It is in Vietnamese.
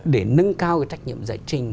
để nâng cao trách nhiệm giải trình